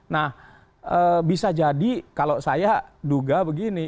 nah bisa jadi kalau saya duga begini